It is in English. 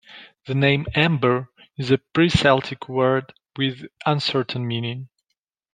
The name Amber is a pre-Celtic word with uncertain meaning.